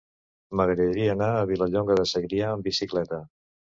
M'agradaria anar a Vilanova de Segrià amb bicicleta.